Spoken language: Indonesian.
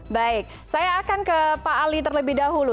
baik saya akan ke pak ali terlebih dahulu